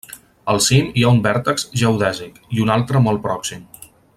Al cim hi ha un vèrtex geodèsic, i un altre molt pròxim.